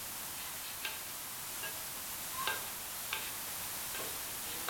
Adwa tedo ne chwora